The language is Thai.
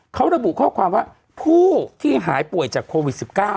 เขาระบุข้อความว่าผู้ที่หายป่วยจากโควิด๑๙